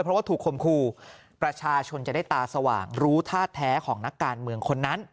เพราะว่าถูกคมครูประชาชนจะได้ตาสว่างรู้ท่าแท้ของนักการเมืองคนนั้น